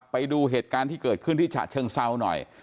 ไปดูเหตุการณ์ที่เกิดขึ้นที่ฉะเชิงเซาหน่อย